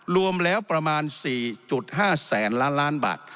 รวมแล้วประมาณ๔๕แสนล้านล้านบาท